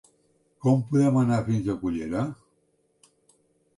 Com podem anar fins a Cullera?